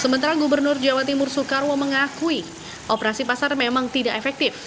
sementara gubernur jawa timur soekarwo mengakui operasi pasar memang tidak efektif